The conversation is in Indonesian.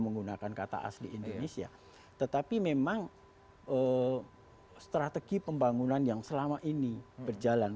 menggunakan kata asli indonesia tetapi memang strategi pembangunan yang selama ini berjalan